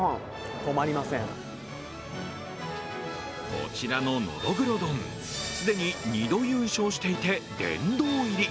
こちらののどぐろ丼、既に２度優勝していて、殿堂入り。